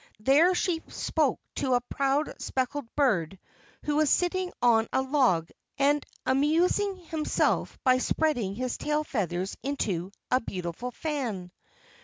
There she spoke to a proud speckled bird who was sitting on a log and amusing himself by spreading his tail feathers into a beautiful fan.